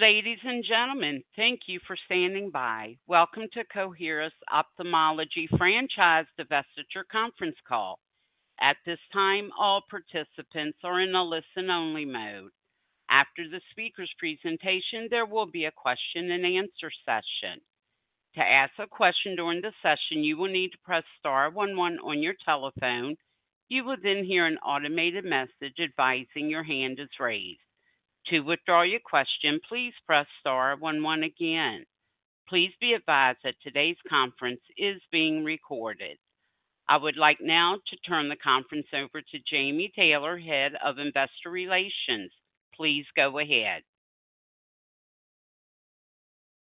Ladies and gentlemen, thank you for standing by. Welcome to Coherus Ophthalmology Franchise Divestiture conference call. At this time, all participants are in a listen-only mode. After the speaker's presentation, there will be a question-and-answer session. To ask a question during the session, you will need to press star one one on your telephone. You will then hear an automated message advising your hand is raised. To withdraw your question, please press star one one again. Please be advised that today's conference is being recorded. I would like now to turn the conference over to Jami Taylor, Head of Investor Relations. Please go ahead.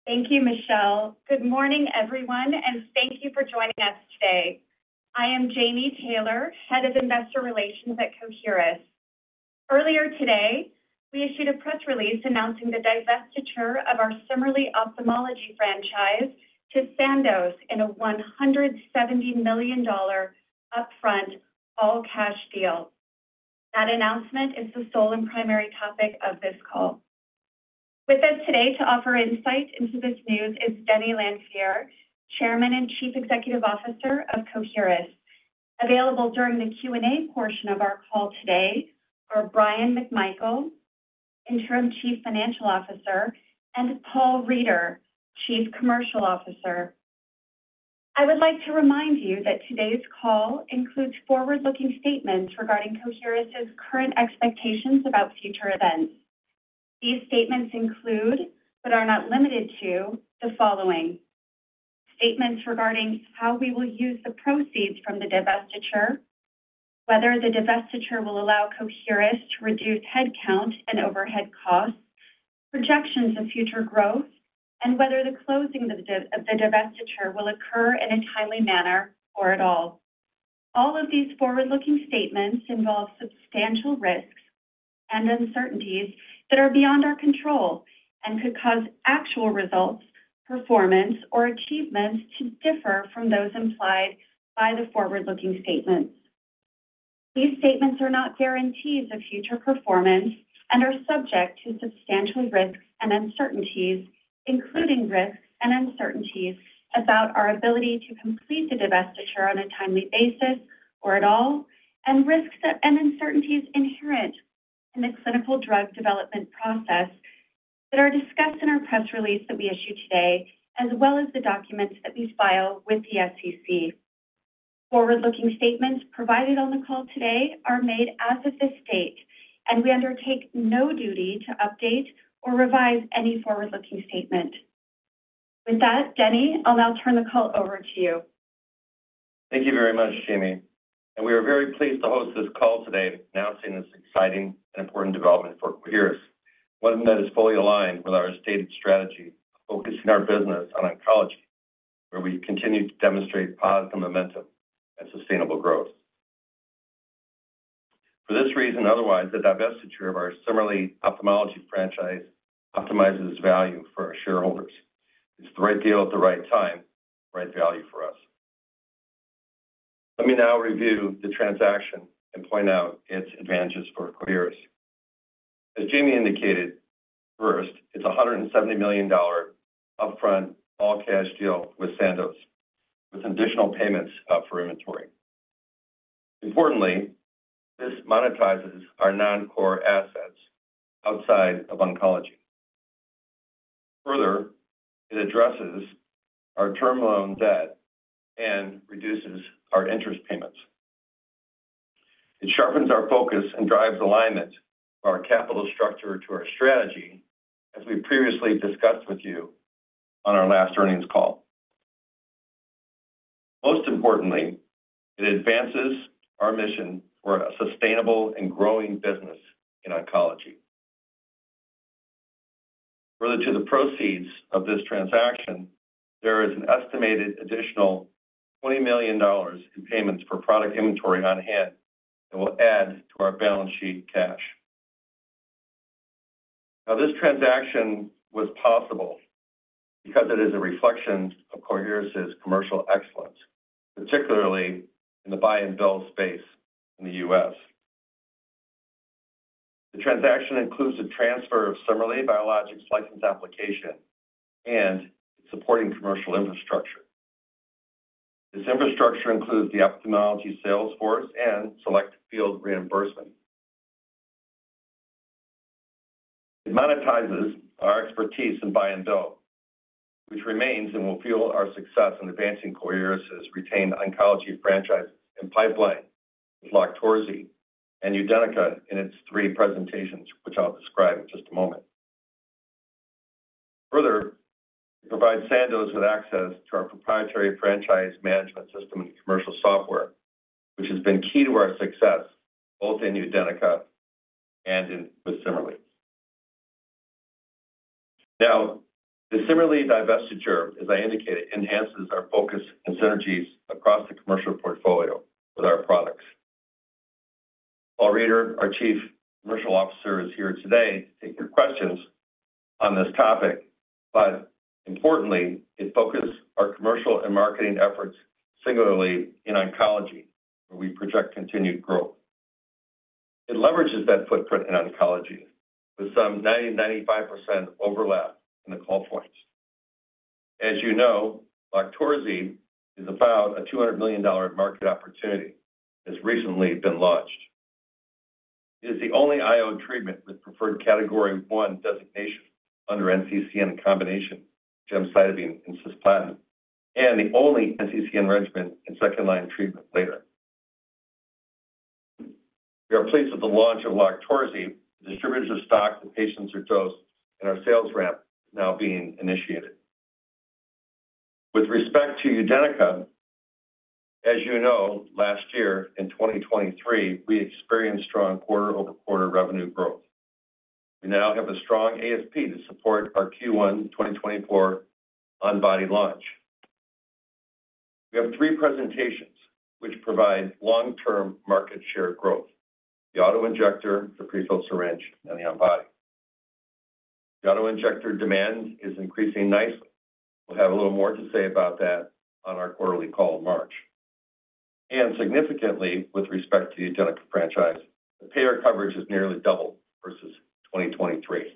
Thank you, Michelle. Good morning, everyone, and thank you for joining us today. I am Jami Taylor, Head of Investor Relations at Coherus. Earlier today, we issued a press release announcing the divestiture of our CIMERLI ophthalmology franchise to Sandoz in a $170 million upfront all-cash deal. That announcement is the sole and primary topic of this call. With us today to offer insight into this news is Denny Lanfear, Chairman and Chief Executive Officer of Coherus. Available during the Q&A portion of our call today are Bryan McMichael, Interim Chief Financial Officer, and Paul Reider, Chief Commercial Officer. I would like to remind you that today's call includes forward-looking statements regarding Coherus's current expectations about future events. These statements include, but are not limited to, the following: statements regarding how we will use the proceeds from the divestiture, whether the divestiture will allow Coherus to reduce headcount and overhead costs, projections of future growth, and whether the closing of the divestiture will occur in a timely manner or at all. All of these forward-looking statements involve substantial risks and uncertainties that are beyond our control and could cause actual results, performance, or achievements to differ from those implied by the forward-looking statements. These statements are not guarantees of future performance and are subject to substantial risks and uncertainties, including risks and uncertainties about our ability to complete the divestiture on a timely basis or at all, and risks and uncertainties inherent in the clinical drug development process that are discussed in our press release that we issued today, as well as the documents that we file with the SEC. Forward-looking statements provided on the call today are made as of this date, and we undertake no duty to update or revise any forward-looking statement. With that, Denny, I'll now turn the call over to you. Thank you very much, Jami, and we are very pleased to host this call today announcing this exciting and important development for Coherus. One that is fully aligned with our stated strategy, focusing our business on oncology, where we continue to demonstrate positive momentum and sustainable growth. For this reason, otherwise, the divestiture of our CIMERLI ophthalmology franchise optimizes value for our shareholders. It's the right deal at the right time, right value for us. Let me now review the transaction and point out its advantages for Coherus. As Jami indicated, first, it's a $170 million upfront all-cash deal with Sandoz, with additional payments up for inventory. Importantly, this monetizes our non-core assets outside of oncology. Further, it addresses our term loan debt and reduces our interest payments. It sharpens our focus and drives alignment of our capital structure to our strategy, as we previously discussed with you on our last earnings call. Most importantly, it advances our mission for a sustainable and growing business in oncology. Related to the proceeds of this transaction, there is an estimated additional $20 million in payments for product inventory on hand that will add to our balance sheet cash. Now, this transaction was possible because it is a reflection of Coherus's commercial excellence, particularly in the buy-and-bill space in the U.S. The transaction includes a transfer of CIMERLI Biologics License Application and supporting commercial infrastructure. This infrastructure includes the ophthalmology sales force and select field reimbursement. It monetizes our expertise in buy and bill, which remains and will fuel our success in advancing Coherus's retained oncology franchise and pipeline with LOQTORZI and UDENYCA in its three presentations, which I'll describe in just a moment. Further, it provides Sandoz with access to our proprietary franchise management system and commercial software, which has been key to our success both in UDENYCA and in with YUSIMRY. Now, the YUSIMRY divestiture, as I indicated, enhances our focus and synergies across the commercial portfolio with our products. Paul Reider, our Chief Commercial Officer, is here today to take your questions on this topic, but importantly, it focus our commercial and marketing efforts singularly in oncology, where we project continued growth. It leverages that footprint in oncology, with some 90%-95% overlap in the call points. As you know, LOQTORZI is about a $200 million market opportunity, has recently been launched. It is the only IO treatment with preferred category one designation under NCCN in combination with gemcitabine and cisplatin, and the only NCCN regimen in second-line treatment later. We are pleased with the launch of LOQTORZI, the distributors are stocked, the patients are dosed, and our sales ramp now being initiated. With respect to UDENYCA, as you know, last year, in 2023, we experienced strong quarter-over-quarter revenue growth. We now have a strong ASP to support our Q1 2024 on-body launch. We have three presentations which provide long-term market share growth: the auto-injector, the prefilled syringe, and the on-body. The auto-injector demand is increasing nicely. We'll have a little more to say about that on our quarterly call in March. Significantly, with respect to the UDENYCA franchise, the payer coverage has nearly doubled versus 2023.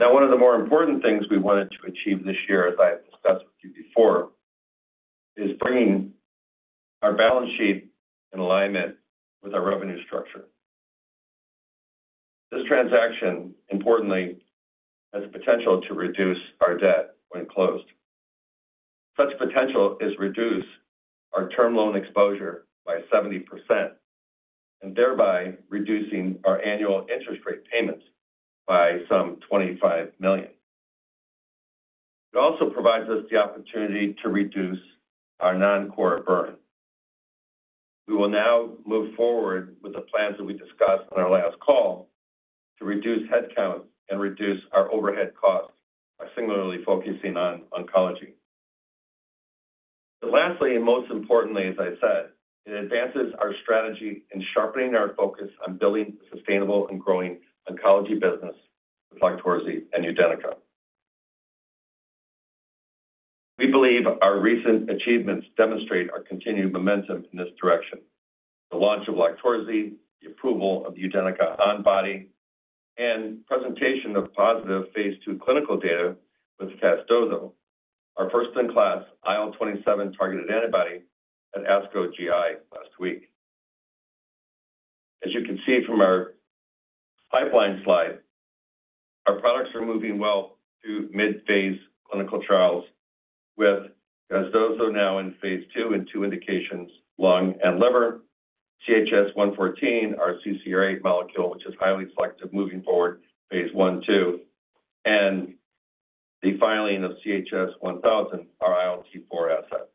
Now, one of the more important things we wanted to achieve this year, as I have discussed with you before, is bringing our balance sheet in alignment with our revenue structure. This transaction, importantly, has the potential to reduce our debt when closed. Such potential is reduce our term loan exposure by 70%, and thereby reducing our annual interest rate payments by some $25 million. It also provides us the opportunity to reduce our non-core burden. We will now move forward with the plans that we discussed on our last call to reduce headcount and reduce our overhead costs by singularly focusing on oncology. Lastly, and most importantly, as I said, it advances our strategy in sharpening our focus on building a sustainable and growing oncology business with LOQTORZI and UDENYCA. We believe our recent achievements demonstrate our continued momentum in this direction. The launch of LOQTORZI, the approval of the UDENYCA on-body, and presentation of positive phase 2 clinical data with casdozokitug, our first-in-class IL-27 targeted antibody at ASCO GI last week. As you can see from our pipeline slide, our products are moving well through mid-phase clinical trials, with casdozokitug now in phase 2 and 2 indications, lung and liver. CHS-114, our CCR8 molecule, which is highly selective, moving forward, phase 1, 2, and the filing of CHS-1000, our ILT4 asset.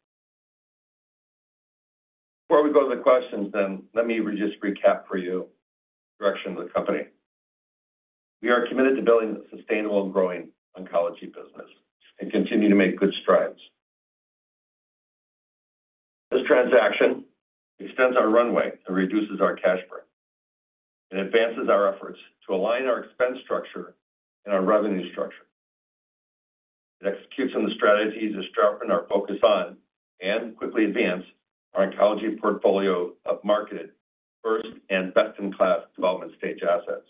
Before we go to the questions, then, let me just recap for you the direction of the company. We are committed to building a sustainable and growing oncology business and continue to make good strides. This transaction extends our runway and reduces our cash burn, and advances our efforts to align our expense structure and our revenue structure. It executes on the strategy to sharpen our focus on and quickly advance our oncology portfolio of marketed first and best-in-class development stage assets.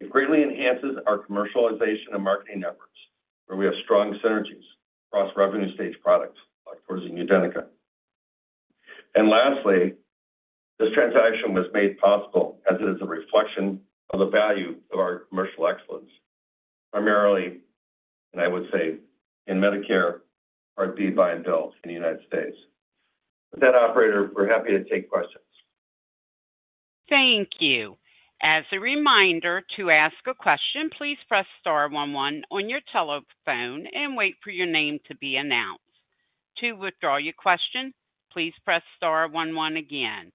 It greatly enhances our commercialization and marketing efforts, where we have strong synergies across revenue stage products like LOQTORZI and UDENYCA. And lastly, this transaction was made possible as it is a reflection of the value of our commercial excellence, primarily, and I would say, in Medicare Part D Buy and Bill in the United States. With that, operator, we're happy to take questions. Thank you. As a reminder, to ask a question, please press star one one on your telephone and wait for your name to be announced. To withdraw your question, please press star one one again.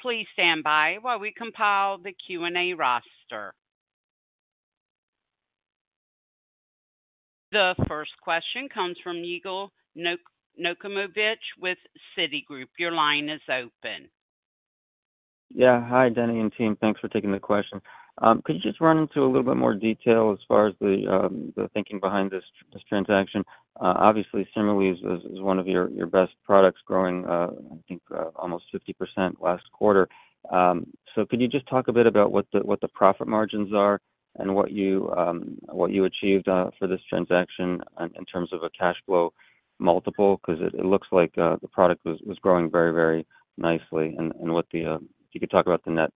Please stand by while we compile the Q&A roster. The first question comes from Yigal Nochomovitz with Citigroup. Your line is open. Yeah. Hi, Denny and team. Thanks for taking the question. Could you just run into a little bit more detail as far as the thinking behind this, this transaction? Obviously, CIMERLI is, is one of your, your best products growing, I think, almost 50% last quarter. So could you just talk a bit about what the, what the profit margins are and what you, what you achieved for this transaction in, in terms of a cash flow multiple? Because it, it looks like the product was, was growing very, very nicely, and, and what the... If you could talk about the net,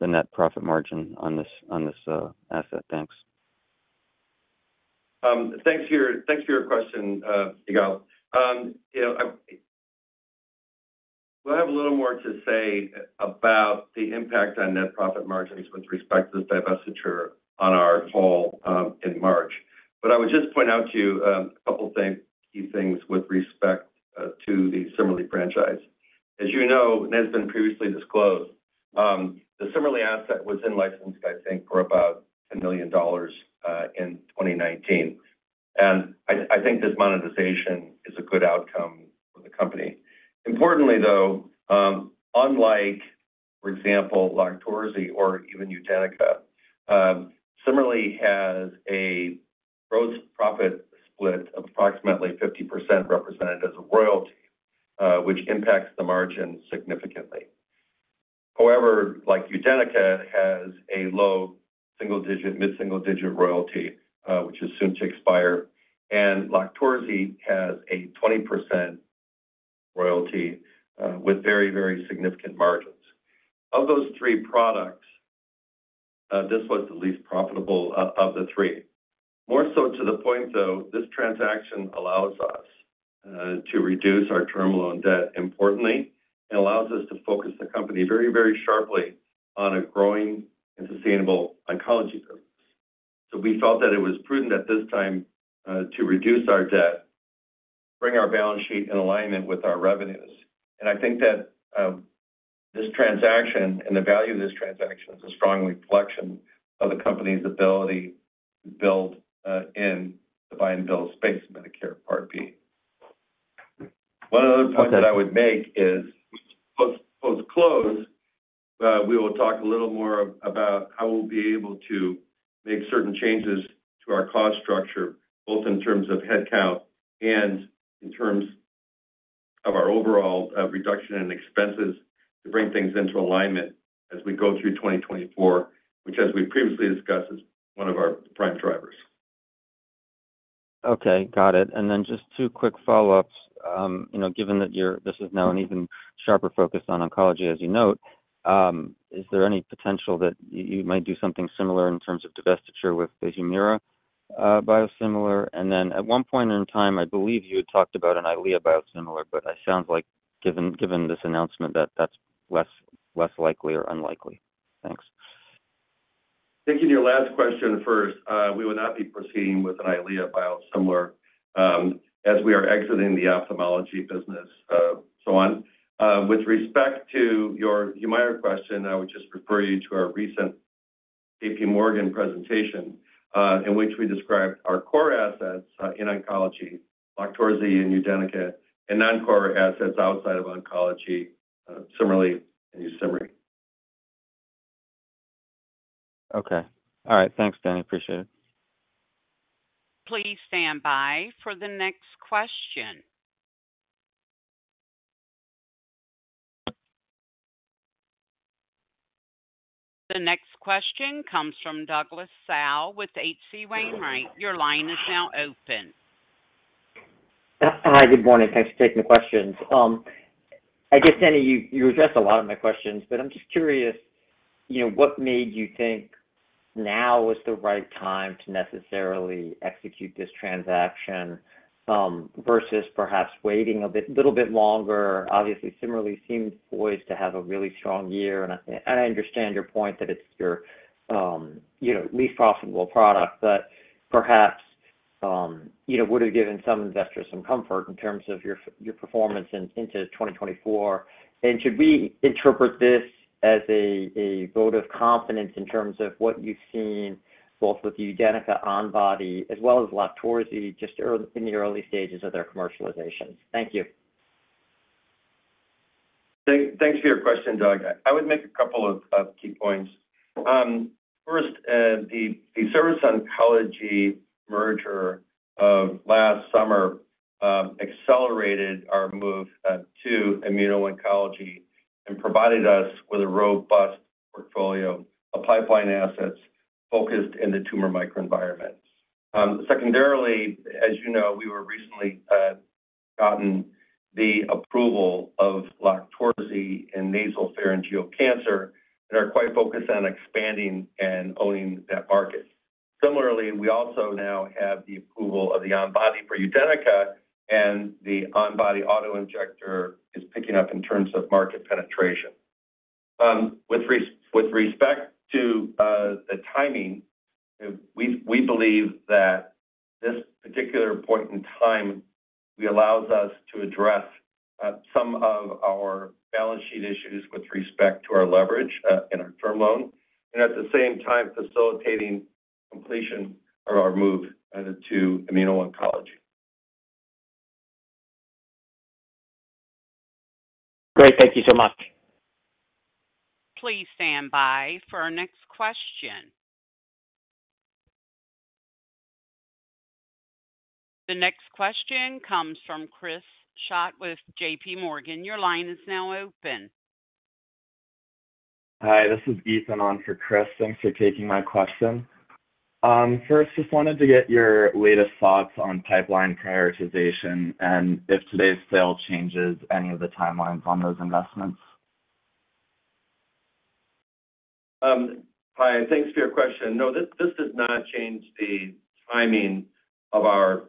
the net profit margin on this, on this asset. Thanks. Thanks for your question, Yigal. You know, we'll have a little more to say about the impact on net profit margins with respect to this divestiture on our call in March. But I would just point out to you a couple things, key things with respect to the CIMERLI franchise. As you know, and has been previously disclosed, the CIMERLI asset was in-licensed, I think, for about $1 million in 2019. And I think this monetization is a good outcome for the company. Importantly, though, unlike, for example, LOQTORZI or even UDENYCA, similarly has a gross profit split of approximately 50% represented as a royalty, which impacts the margin significantly. However, like UDENYCA has a low single-digit, mid-single-digit royalty, which is soon to expire, and LOQTORZI has a 20% royalty, with very, very significant margins. Of those three products, this was the least profitable of the three. More so to the point, though, this transaction allows us to reduce our term loan debt importantly, and allows us to focus the company very, very sharply on a growing and sustainable oncology business. So we felt that it was prudent at this time to reduce our debt, bring our balance sheet in alignment with our revenues. And I think that this transaction and the value of this transaction is a strong reflection of the company's ability to build in the buy-and-bill space Medicare Part B. One other point that I would make is, post-close, we will talk a little more about how we'll be able to make certain changes to our cost structure, both in terms of headcount and in terms of our overall, reduction in expenses, to bring things into alignment as we go through 2024, which, as we previously discussed, is one of our prime drivers. Okay, got it. And then just two quick follow-ups. You know, given that you're this is now an even sharper focus on oncology, as you note, is there any potential that you might do something similar in terms of divestiture with the Humira biosimilar? And then at one point in time, I believe you had talked about an Eylea biosimilar, but it sounds like given this announcement, that that's less likely or unlikely. Thanks. Taking your last question first, we would not be proceeding with an Eylea biosimilar, as we are exiting the ophthalmology business, so on. With respect to your Humira question, I would just refer you to our recent J.P. Morgan presentation, in which we described our core assets, in oncology, LOQTORZI and UDENYCA, and non-core assets outside of oncology, CIMERLI and YUSIMRY. Okay. All right, thanks, Danny. Appreciate it. Please stand by for the next question. The next question comes from Douglas Tsao with H.C. Wainwright. Your line is now open. Hi, good morning. Thanks for taking the questions. I guess, Denny, you, you addressed a lot of my questions, but I'm just curious, you know, what made you think now was the right time to necessarily execute this transaction, versus perhaps waiting a bit, little bit longer? Obviously, CIMERLI seemed poised to have a really strong year, and I think, and I understand your point that it's your, you know, least profitable product, but perhaps, you know, would have given some investors some comfort in terms of your your performance in, into 2024. And should we interpret this as a, a vote of confidence in terms of what you've seen, both with the UDENYCA on-body as well as LOQTORZI, just in the early stages of their commercialization? Thank you. Thanks for your question, Doug. I would make a couple of key points. First, the Surface Oncology merger of last summer accelerated our move to immuno-oncology and provided us with a robust portfolio of pipeline assets focused in the tumor microenvironment. Secondarily, as you know, we were recently gotten the approval of LOQTORZI in nasopharyngeal cancer and are quite focused on expanding and owning that market. Similarly, we also now have the approval of the on-body for UDENYCA, and the on-body auto-injector is picking up in terms of market penetration. With respect to the timing, we believe that this particular point in time allows us to address some of our balance sheet issues with respect to our leverage in our term loan, and at the same time, facilitating completion of our move to immuno-oncology. Great. Thank you so much. Please stand by for our next question. The next question comes from Chris Schott with J.P. Morgan. Your line is now open. Hi, this is Ethan on for Chris. Thanks for taking my question. First, just wanted to get your latest thoughts on pipeline prioritization and if today's sale changes any of the timelines on those investments. Hi, thanks for your question. No, this does not change the timing of our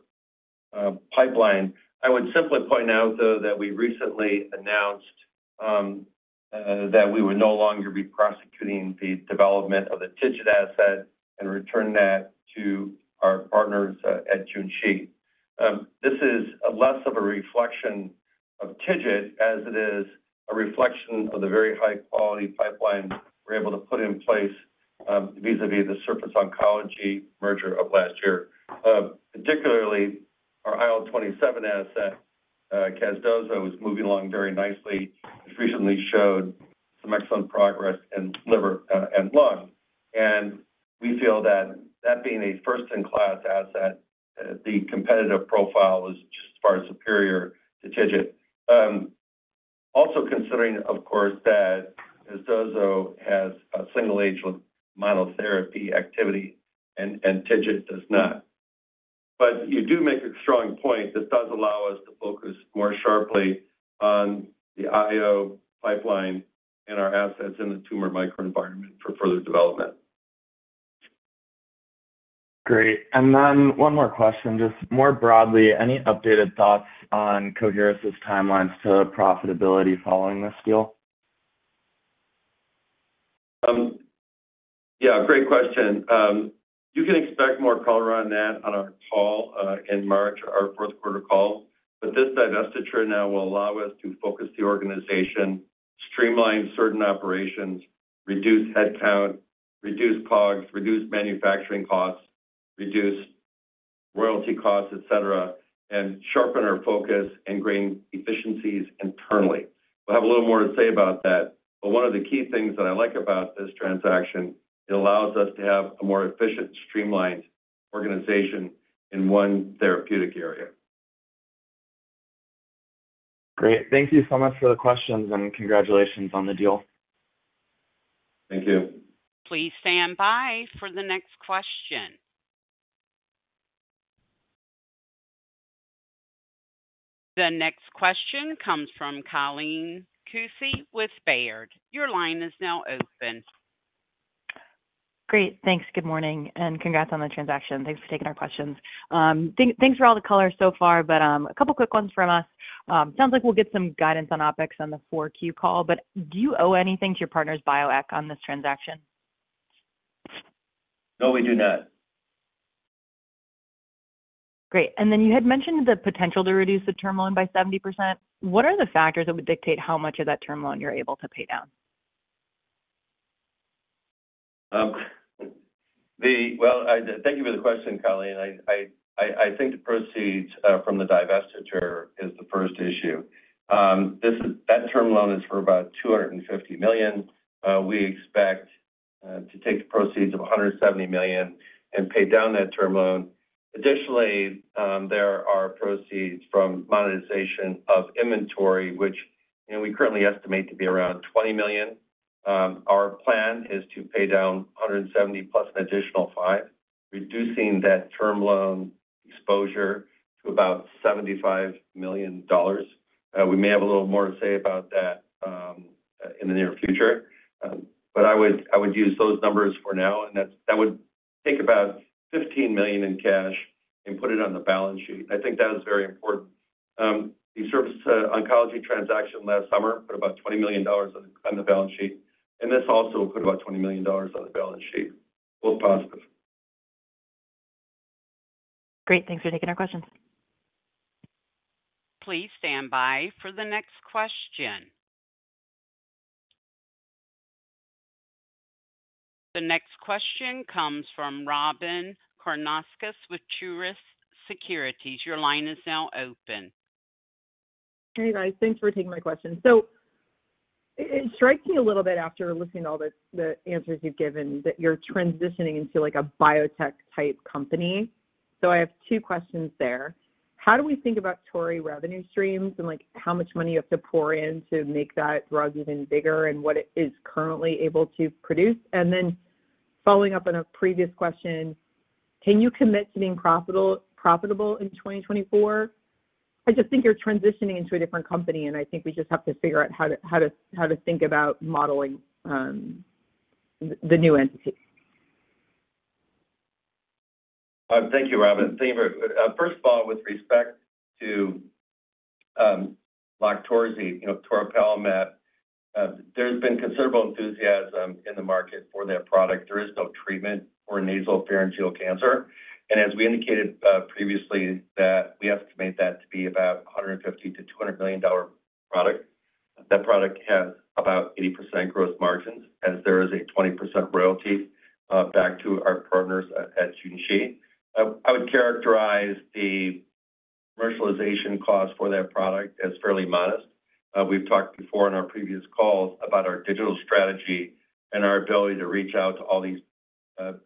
pipeline. I would simply point out, though, that we recently announced that we would no longer be prosecuting the development of the TIGIT asset and return that to our partners at Junshi. This is less of a reflection of TIGIT as it is a reflection of the very high-quality pipeline we're able to put in place, vis-a-vis the Surface Oncology merger of last year. Particularly our IL-27 asset. Casdozokitug is moving along very nicely, and recently showed some excellent progress in liver and lung. And we feel that that being a first-in-class asset, the competitive profile is just far superior to TIGIT. Also considering, of course, that casdozokitug has a single-agent monotherapy activity, and TIGIT does not. But you do make a strong point. This does allow us to focus more sharply on the IO pipeline and our assets in the tumor microenvironment for further development. Great. And then one more question, just more broadly, any updated thoughts on Coherus' timelines to profitability following this deal? Yeah, great question. You can expect more color on that on our call in March, our fourth quarter call. But this divestiture now will allow us to focus the organization, streamline certain operations, reduce headcount, reduce COGS, reduce manufacturing costs, reduce royalty costs, et cetera, and sharpen our focus and gain efficiencies internally. We'll have a little more to say about that, but one of the key things that I like about this transaction, it allows us to have a more efficient, streamlined organization in one therapeutic area. Great. Thank you so much for the questions, and congratulations on the deal. Thank you. Please stand by for the next question. The next question comes from Colleen Kusy with Baird. Your line is now open. Great, thanks. Good morning, and congrats on the transaction. Thanks for taking our questions. Thanks for all the color so far, but a couple quick ones from us. Sounds like we'll get some guidance on OpEx on the Q4 call, but do you owe anything to your partners, BioAct, on this transaction? No, we do not. Great. You had mentioned the potential to reduce the term loan by 70%. What are the factors that would dictate how much of that term loan you're able to pay down? Thank you for the question, Colleen. I think the proceeds from the divestiture is the first issue. That term loan is for about $250 million. We expect to take the proceeds of $170 million and pay down that term loan. Additionally, there are proceeds from monetization of inventory, which, you know, we currently estimate to be around $20 million. Our plan is to pay down 170 plus an additional 5, reducing that term loan exposure to about $75 million. We may have a little more to say about that in the near future. But I would use those numbers for now, and that would take about $15 million in cash and put it on the balance sheet. I think that is very important. The Surface Oncology transaction last summer put about $20 million on the balance sheet, and this also put about $20 million on the balance sheet. Both positive. Great. Thanks for taking our questions. Please stand by for the next question. The next question comes from Robyn Karnauskas with Truist Securities. Your line is now open. Hey, guys. Thanks for taking my question. So it strikes me a little bit after listening to all the answers you've given, that you're transitioning into, like, a biotech-type company. So I have two questions there. How do we think about Tori revenue streams and, like, how much money you have to pour in to make that drug even bigger and what it is currently able to produce? And then following up on a previous question, can you commit to being profitable in 2024? I just think you're transitioning into a different company, and I think we just have to figure out how to think about modeling the new entity. Thank you, Robin. Thank you very, first of all, with respect to LOQTORZI, you know, Toripalimab, there's been considerable enthusiasm in the market for that product. There is no treatment for nasopharyngeal cancer, and as we indicated, previously, that we estimate that to be about a $150-$200 million product. That product has about 80% gross margins, as there is a 20% royalty, back to our partners at Junshi. I would characterize the commercialization cost for that product as fairly modest. We've talked before in our previous calls about our digital strategy and our ability to reach out to all these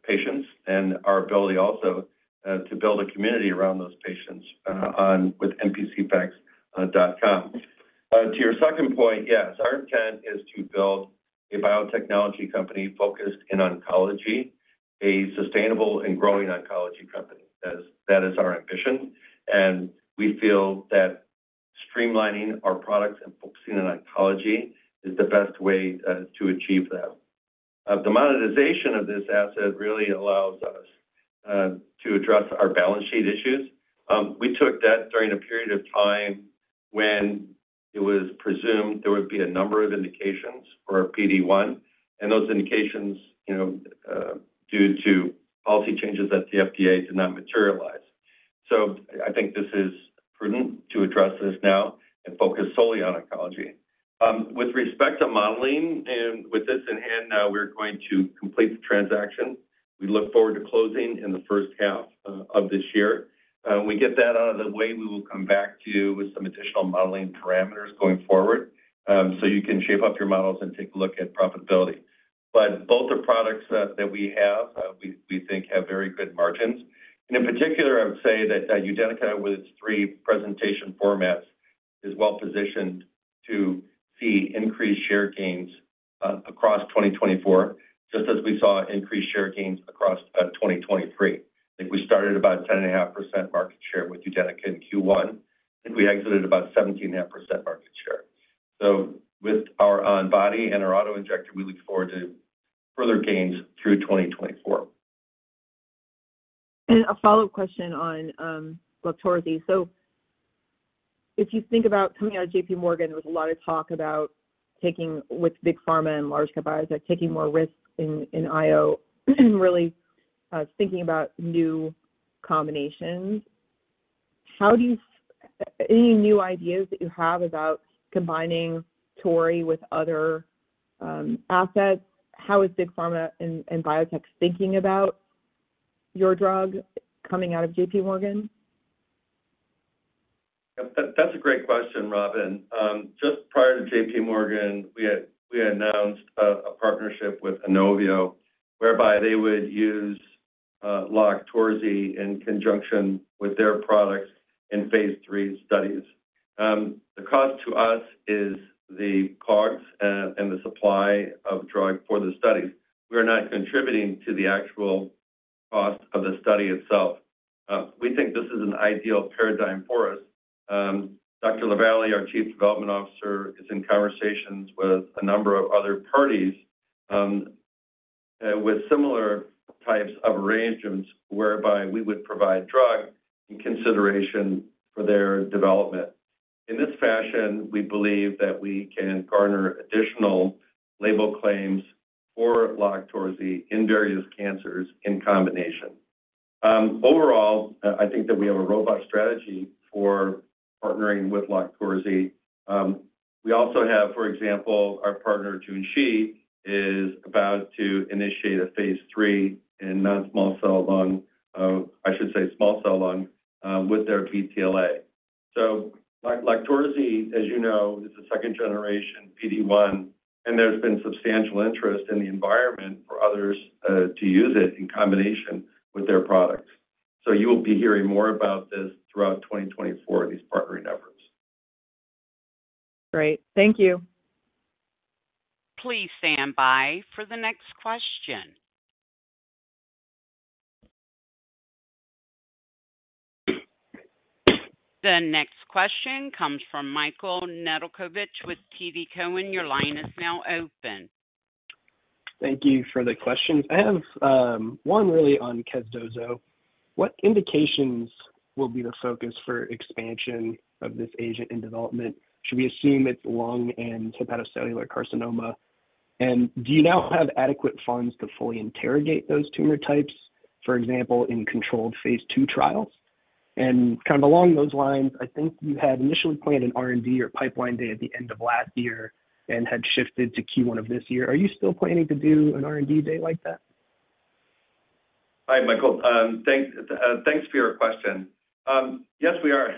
patients, and our ability also to build a community around those patients on npcfacts.com. To your second point, yes, our intent is to build a biotechnology company focused in oncology, a sustainable and growing oncology company. That is, that is our ambition, and we feel that streamlining our products and focusing on oncology is the best way to achieve that. The monetization of this asset really allows us to address our balance sheet issues. We took that during a period of time when it was presumed there would be a number of indications for PD-1, and those indications, you know, due to policy changes at the FDA did not materialize. So I think this is prudent to address this now and focus solely on oncology. With respect to modeling and with this in hand, now we're going to complete the transaction. We look forward to closing in the first half of this year. When we get that out of the way, we will come back to you with some additional modeling parameters going forward, so you can shape up your models and take a look at profitability. But both the products that, that we have, we, we think have very good margins. And in particular, I would say that UDENYCA, with its three presentation formats, is well-positioned to see increased share gains, across 2024, just as we saw increased share gains across, 2023. I think we started about 10.5% market share with UDENYCA in Q1, and we exited about 17.5% market share. So with our on body and our auto injector, we look forward to further gains through 2024. A follow-up question on LOQTORZI. So if you think about coming out of J.P. Morgan, there was a lot of talk about taking with big pharma and large cap biotech, taking more risks in IO, really thinking about new combinations. How do you have any new ideas that you have about combining tori with other assets? How is big pharma and biotech thinking about your drug coming out of J.P. Morgan? That, that's a great question, Robin. Just prior to J.P. Morgan, we announced a partnership with INOVIO, whereby they would use LOQTORZI in conjunction with their products in phase three studies. The cost to us is the COGS and the supply of drug for the studies. We are not contributing to the actual cost of the study itself. We think this is an ideal paradigm for us. Dr. LaVallee, our Chief Development Officer, is in conversations with a number of other parties with similar types of arrangements, whereby we would provide drug in consideration for their development. In this fashion, we believe that we can garner additional label claims for LOQTORZI in various cancers in combination. Overall, I think that we have a robust strategy for partnering with LOQTORZI. We also have, for example, our partner, Junshi, is about to initiate a phase 3 in non-small cell lung, I should say small cell lung, with their BTLA. So LOQTORZI, as you know, is a second generation PD-1, and there's been substantial interest in the environment for others, to use it in combination with their products. So you will be hearing more about this throughout 2024, these partnering efforts. Great. Thank you. Please stand by for the next question. The next question comes from Michael Nedelcovych with TD Cowen. Your line is now open. Thank you for the question. I have one really on casdozokitug. What indications will be the focus for expansion of this agent in development? Should we assume it's lung and hepatocellular carcinoma? And do you now have adequate funds to fully interrogate those tumor types, for example, in controlled phase two trials? And kind of along those lines, I think you had initially planned an R&D or pipeline day at the end of last year and had shifted to Q1 of this year. Are you still planning to do an R&D day like that? Hi, Michael. Thanks, thanks for your question. Yes, we are.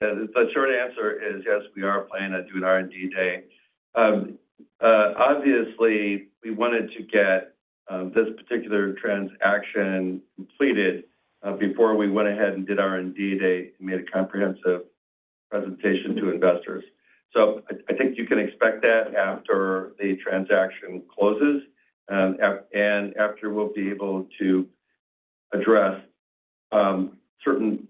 The short answer is yes, we are planning to do an R&D day. Obviously, we wanted to get this particular transaction completed before we went ahead and did R&D day and made a comprehensive presentation to investors. So I think you can expect that after the transaction closes, and after we'll be able to address certain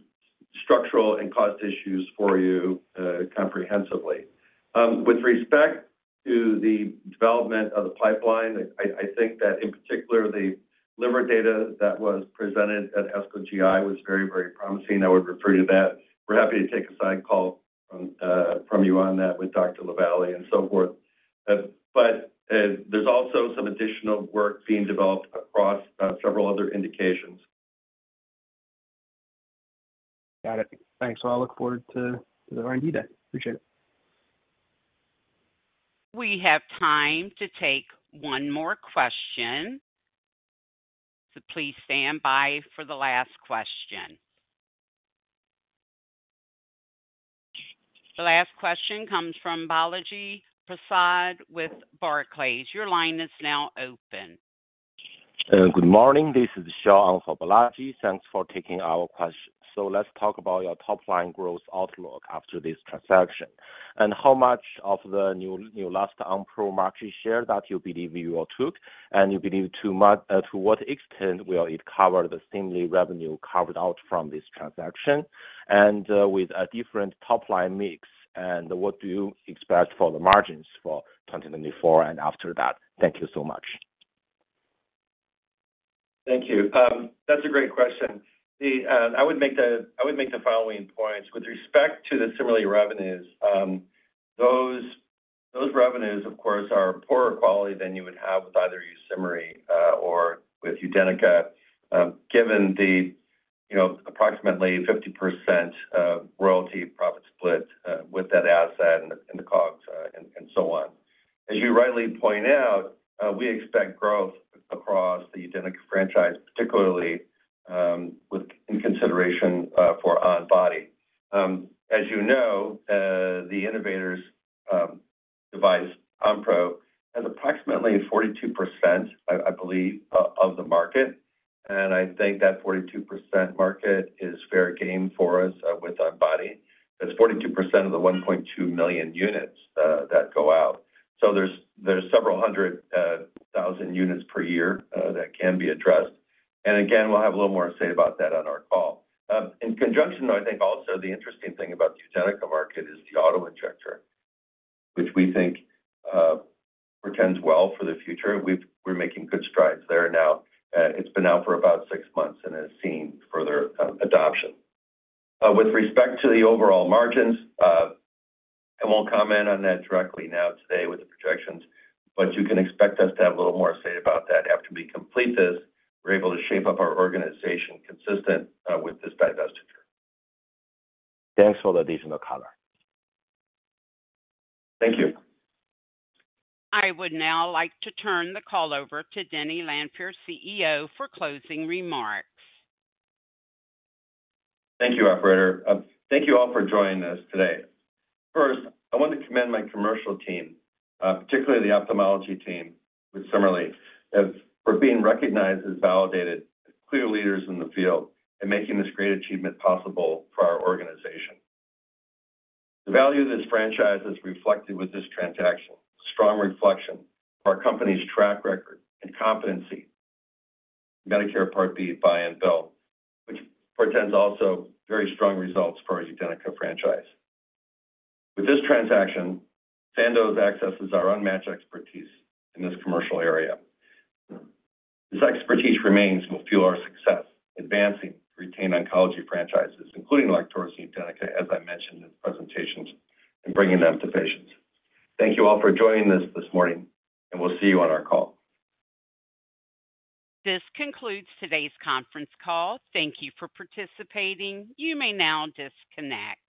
structural and cost issues for you comprehensively. With respect to the development of the pipeline, I think that in particular, the liver data that was presented at ASCO GI was very, very promising. I would refer you to that. We're happy to take a side call from you on that with Dr. LaVallee and so forth. But, there's also some additional work being developed across several other indications. Got it. Thanks. I look forward to the R&D day. Appreciate it. We have time to take one more question. So please stand by for the last question. The last question comes from Balaji Prasad with Barclays. Your line is now open. Good morning, this is Shaw subbing for Balaji. Thanks for taking our question. So let's talk about your top-line growth outlook after this transaction, and how much of the new Onpro market share that you believe you will take, and you believe to what extent will it cover the lost revenue carved out from this transaction, and with a different top-line mix, and what do you expect for the margins for 2024 and after that? Thank you so much. Thank you. That's a great question. I would make the following points. With respect to the biosimilar revenues, those revenues, of course, are poorer quality than you would have with either YUSIMRY or with UDENYCA, given the, you know, approximately 50%, royalty profit split, with that asset and the, and the COGS, and so on. As you rightly point out, we expect growth across the UDENYCA franchise, particularly, with in consideration for on-body. As you know, the innovator's device, Onpro, has approximately 42%, I believe, of the market, and I think that 42% market is fair game for us, with on-body. That's 42% of the 1.2 million units that go out. So there are several hundred thousand units per year that can be addressed. And again, we'll have a little more to say about that on our call. In conjunction, though, I think also the interesting thing about the UDENYCA market is the auto-injector, which we think portends well for the future. We're making good strides there now. It's been out for about six months and has seen further adoption. With respect to the overall margins, I won't comment on that directly now today with the projections, but you can expect us to have a little more to say about that after we complete this. We're able to shape up our organization consistent with this divestiture. Thanks for the additional color. Thank you. I would now like to turn the call over to Denny Lanfear, CEO, for closing remarks. Thank you, operator. Thank you all for joining us today. First, I want to commend my commercial team, particularly the ophthalmology team with CIMERLI, as for being recognized and validated, clear leaders in the field, and making this great achievement possible for our organization. The value of this franchise is reflected with this transaction, strong reflection of our company's track record and competency, Medicare Part B, buy and bill, which portends also very strong results for our UDENYCA franchise. With this transaction, Sandoz accesses our unmatched expertise in this commercial area. This expertise remains and will fuel our success, advancing retained oncology franchises, including LOQTORZI and UDENYCA, as I mentioned in the presentations, and bringing them to patients. Thank you all for joining us this morning, and we'll see you on our call. This concludes today's conference call. Thank you for participating. You may now disconnect.